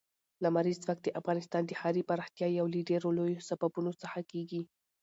لمریز ځواک د افغانستان د ښاري پراختیا یو له ډېرو لویو سببونو څخه کېږي.